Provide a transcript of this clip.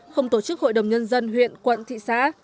không tổ chức hội đồng nhân dân huyện quận thị xã